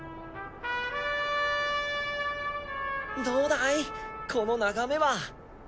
どうだいこの眺めは。